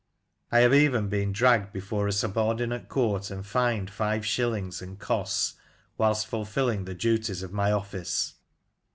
I have even been dragged before a subordinate court and fined five shillings and costs whilst fulfilling the duties of my office.